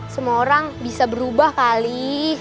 semua orang bisa berubah kali